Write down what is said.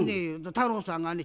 太郎さんがね